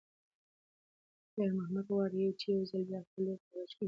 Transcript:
خیر محمد غواړي چې یو ځل بیا خپله لور په غېږ کې ونیسي.